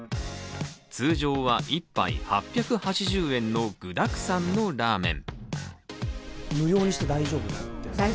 通常は１杯８８０円の具だくさんのラーメン。